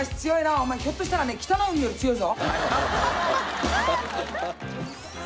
お前ひょっとしたらね北の湖より強いぞ。